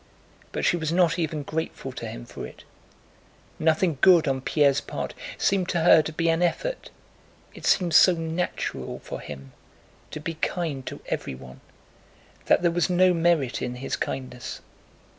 But she was not even grateful to him for it; nothing good on Pierre's part seemed to her to be an effort, it seemed so natural for him to be kind to everyone that there was no merit in his kindness.